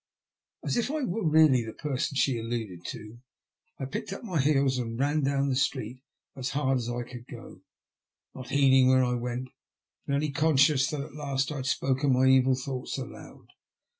As if I were really the person she alluded to, I picked up my heels and ran down the street as hard as I could go, not heeding where I went, but only con scious that at last I had spoken my evil thoughts aloud.